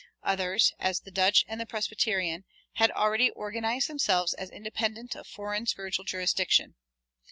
Others, as the Dutch and the Presbyterians, had already organized themselves as independent of foreign spiritual jurisdiction.